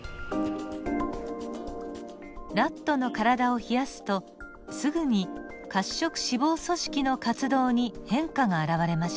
ラットの体を冷やすとすぐに褐色脂肪組織の活動に変化が表れました。